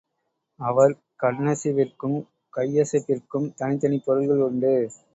அவர் கண்ணசைவிற்கும், கையசைப்பிற்கும் தனித்தனிப் பொருள்கள் உண்டு.